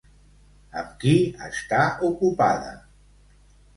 Amb qui està ocupada?